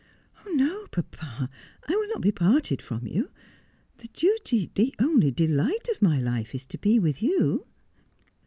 ' No, papa, I will not be parted from you. The duty, the only delight of my Kfe is to be with you